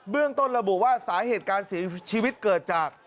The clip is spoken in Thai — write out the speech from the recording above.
เรื่องต้นระบุว่าสาเหตุการเสียชีวิตเกิดจาก